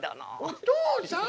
お父さん！